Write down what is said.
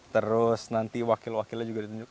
terus nanti wakil wakilnya juga ditunjukkan